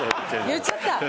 言っちゃった！